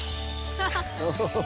ハハハハ。